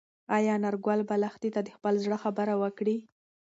ایا انارګل به لښتې ته د خپل زړه خبره وکړي؟